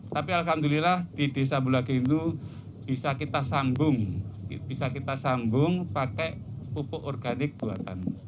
tapi alhamdulillah di desa bulakin itu bisa kita sambung bisa kita sambung pakai pupuk organik buatan